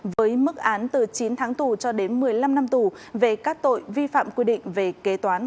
với mức án từ chín tháng tù cho đến một mươi năm năm tù về các tội vi phạm quy định về kế toán